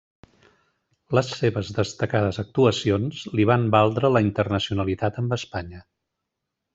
Les seves destacades actuacions li van valdre la internacionalitat amb Espanya.